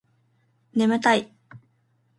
ねむたい